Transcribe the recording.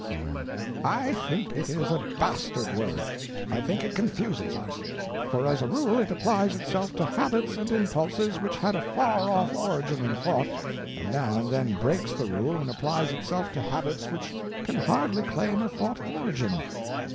O.M. I think it is a bastard word. I think it confuses us; for as a rule it applies itself to habits and impulses which had a far off origin in thought, and now and then breaks the rule and applies itself to habits which can hardly claim a thought origin.